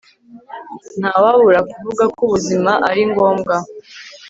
Ntawabura kuvuga ko ubuzima ari ngombwa